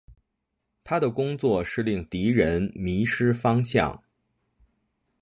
他的工作是令敌人迷失方向。